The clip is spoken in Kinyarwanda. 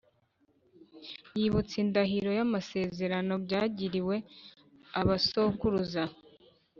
yibutsa indahiro n’amasezerano byagiriwe abasokuruza.